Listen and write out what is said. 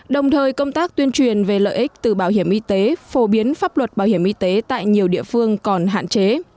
đồng thời công tác tuyên truyền về lợi ích từ bảo hiểm y tế phổ biến pháp luật bảo hiểm y tế tại nhiều địa phương còn hạn chế